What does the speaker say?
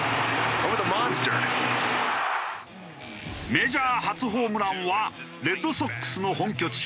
メジャー初ホームランはレッドソックスの本拠地